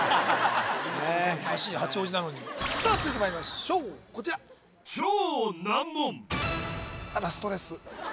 おかしい八王子なのにさあ続いてまいりましょうこちらあらストレス